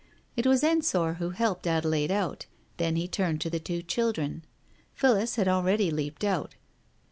It was Ensor who helped Ade laide out. Then he turned to the two children. ..« Phillis had already leaped out.